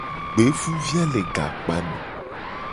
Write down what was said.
Gbevuvia le gakpame.